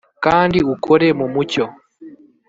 kandi ukorere mu mucyo